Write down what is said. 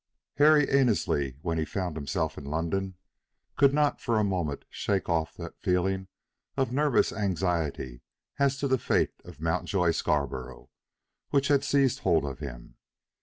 Harry Annesley, when he found himself in London, could not for a moment shake off that feeling of nervous anxiety as to the fate of Mountjoy Scarborough which had seized hold of him.